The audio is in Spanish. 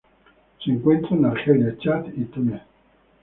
Se encuentra en Argelia, Chad y Túnez.